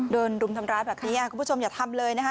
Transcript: รุมทำร้ายแบบนี้คุณผู้ชมอย่าทำเลยนะคะ